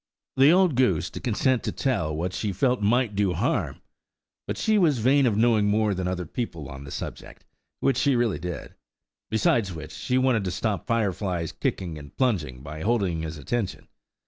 The old goose, to consent to tell what she felt might do harm! But she was vain of knowing more than other people on the subject, which she really did. Besides which, she wanted to stop Firefly's kicking and plunging, by holding his attention.